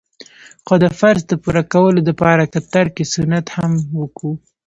خو د فرض د پوره کولو د پاره که ترک سنت هم وکو.